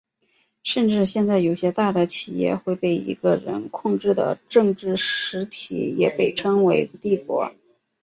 甚至现在有些大的企业或被一个人控制的政治实体也被称为帝国。